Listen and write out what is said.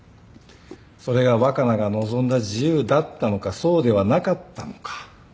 それが若菜が望んだ自由だったのかそうではなかったのか。